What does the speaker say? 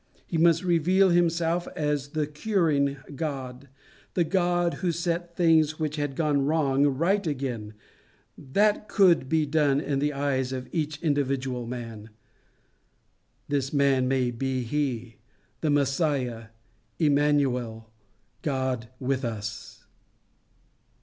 He must reveal himself as the curing God the God who set things which had gone wrong, right again: that could be done in the eyes of each individual man. This man may be he the Messiah Immanuel, God with us.